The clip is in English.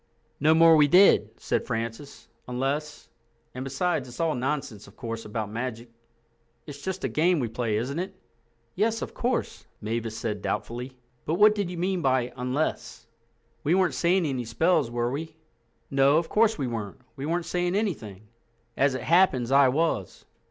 "No more we did," said Francis, "unless—And besides, it's all nonsense, of course, about magic. It's just a game we play, isn't it?" "Yes, of course," Mavis said doubtfully; "but what did you mean by 'unless'?" "We weren't saying any spells, were we?" "No, of course we weren't—we weren't saying anything—" "As it happens I was."